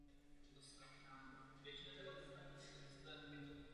Trvá přibližně dvě hodiny a třicet minut a hraje se bez přestávky.